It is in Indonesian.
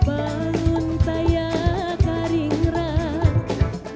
bangun tayak karing rap